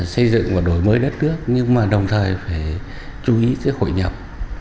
xây dựng và đổi mới đất nước nhưng đồng thời phải chú ý với hội nhập